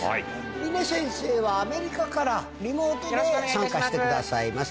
峰先生はアメリカからリモートで参加してくださいます。